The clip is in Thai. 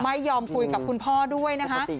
ไม่ยอมคุยกับคุณพ่อด้วยนะคะ